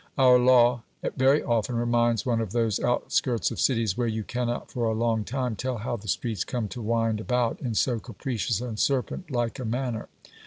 Our law very often reminds one of those outskirts of cities where you cannot for a long time tell how the streets come to wind about in so capricious and serpent like a manner.